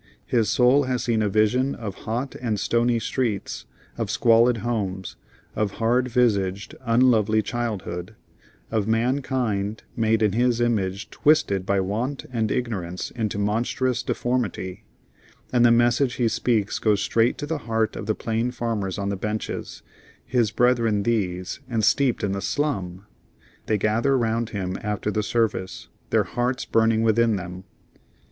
His soul has seen a vision of hot and stony streets, of squalid homes, of hard visaged, unlovely childhood, of mankind made in His image twisted by want and ignorance into monstrous deformity: and the message he speaks goes straight to the heart of the plain farmers on the benches; His brethren these, and steeped in the slum! They gather round him after the service, their hearts burning within them.